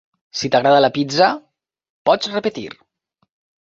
Si t'agrada la pizza, pots repetir.